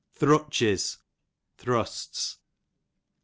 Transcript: Thrutches, thrusts.